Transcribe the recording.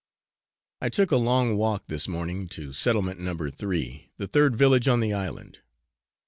I took a long walk this morning to Settlement No. 3, the third village on the island.